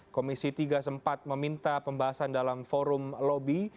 komisi tiga sempat meminta pembahasan dalam forum lobby